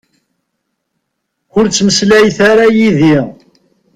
Ur ttmeslayet ara yid-i.